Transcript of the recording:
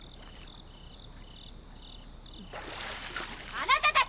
あなたたち！